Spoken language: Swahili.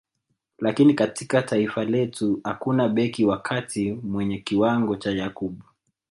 Lakini katika taifa letu hakuna beki wa kati mwenye kiwango cha Yakub